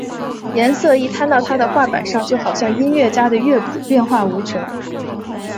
颜色一摊到他的画板上就好像音乐家的乐谱变化无穷！